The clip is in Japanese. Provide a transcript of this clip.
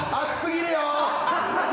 熱すぎるよ。